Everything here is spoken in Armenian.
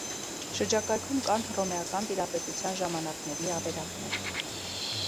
Շրջակայքում կան հռոմեական տիրապետության ժամանակների ավերակներ։